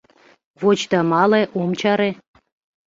Воч да мале, ом чаре.